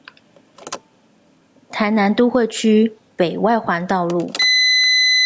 臺南都會區北外環道路